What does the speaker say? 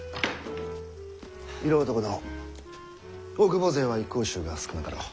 色男殿大久保勢は一向宗が少なかろう。